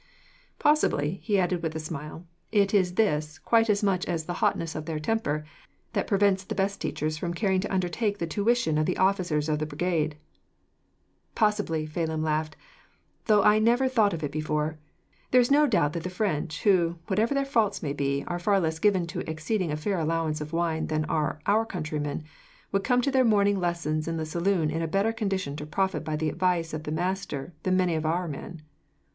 "Possibly," he added, with a smile, "it is this, quite as much as the hotness of their temper, that prevents the best teachers from caring to undertake the tuition of the officers of the Brigade." "Possibly," Phelim laughed, "though I never thought of it before. There is no doubt that the French, who, whatever their faults be, are far less given to exceeding a fair allowance of wine than are our countrymen, would come to their morning lessons in the saloon in a better condition to profit by the advice of the master than many of our men."